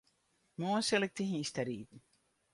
Moarn sil ik te hynsteriden.